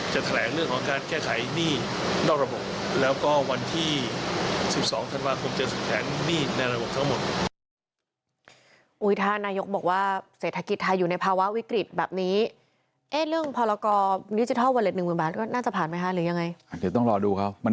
จะแถลงเรื่องของการแก้ไขหนี้นอกระบบแล้วก็วันที่๑๒ธันวาคม